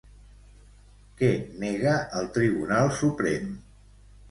Què nega el Tribunal Suprem?